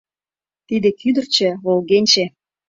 Тиде — кӱдырчӧ, волгенче.